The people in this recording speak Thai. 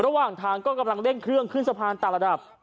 ระหว่างทางก็กำลังเร่งเครื่องขึ้นสะพานต่างระดับ